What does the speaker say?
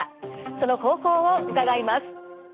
その方法を伺います。